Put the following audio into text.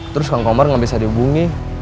terus kang komar gak bisa dihubungi